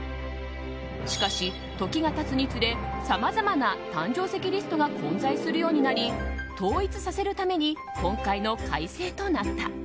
しかし、時が経つにつれさまざまな誕生石リストが混在するようになり統一させるために今回の改正となった。